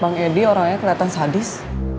bang edi orangnya kelihatan sadis